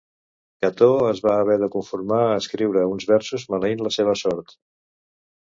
Cató es va haver de conformar a escriure uns versos maleint la seva sort.